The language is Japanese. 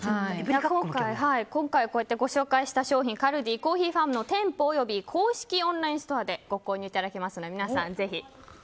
今回、ご紹介した商品カルディコーヒーファームの店舗および公式オンラインストアでご購入いただけますので。